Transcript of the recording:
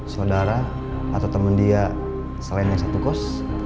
saudara atau teman dia selain yang satu kos